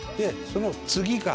その次が。